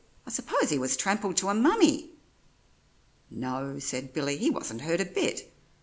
I s'pose he was trampled to a mummy!" "No," said Billy, "he wasn't hurt a bit.